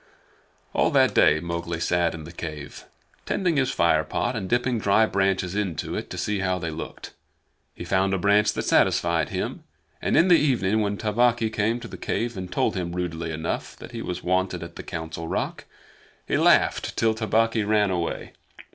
All that day Mowgli sat in the cave tending his fire pot and dipping dry branches into it to see how they looked. He found a branch that satisfied him, and in the evening when Tabaqui came to the cave and told him rudely enough that he was wanted at the Council Rock, he laughed till Tabaqui ran away.